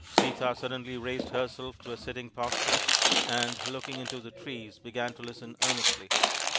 Sita suddenly raised herself to a sitting posture and, looking into the trees, began to listen earnestly.